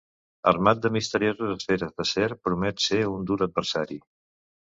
Armat de misterioses esferes d'acer, promet ser un dur adversari.